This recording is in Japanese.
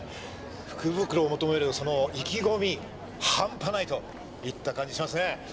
福袋を求めるその意気込み半端ないといった感じしますね。